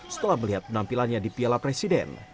setelah melihat penampilannya di piala presiden